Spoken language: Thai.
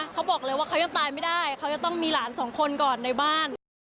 เขาบอกเลยว่าเขายังตายไม่ได้เขาจะต้องมีหลานสองคนก่อนในบ้าน